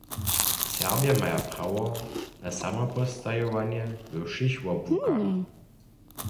Serbja maja prawo na samopostajowanje we wšěch wobłukach.